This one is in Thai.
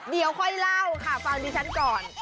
เดี๋ยวค่อยเล่าค่ะฟังดิฉันก่อน